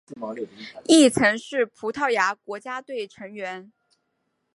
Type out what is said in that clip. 亦曾是葡萄牙国家队成员。